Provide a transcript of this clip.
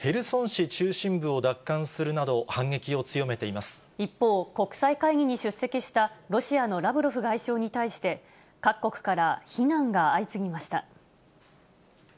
市中心部を奪還するなど、一方、国際会議に出席したロシアのラブロフ外相に対して、各国から非難が相次ぎました。